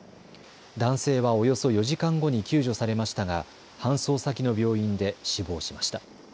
男性はおよそ４時間後に救助されましたが搬送先の病院で死亡しました。